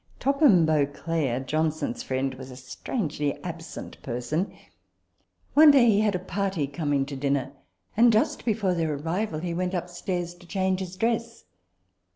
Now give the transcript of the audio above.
Topham Beauclerk (Johnson's friend) was a strangely absent person. One day he had a party coming to dinner ; and, just before their arrival, he went upstairs to change his dress.